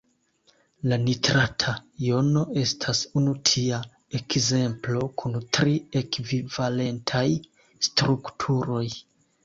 La nitrata jono estas unu tia ekzemplo kun tri ekvivalentaj strukturoj.